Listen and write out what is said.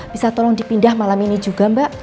bisa tolong dipindah malam ini juga mbak